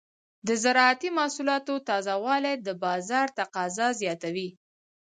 د زراعتي محصولاتو تازه والي د بازار تقاضا زیاتوي.